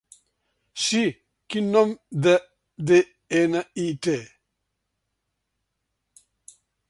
Sí Quin nom de de-ena-i té?